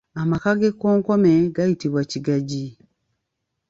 Amaka g’ekkonkome gayitibwa Kigagi.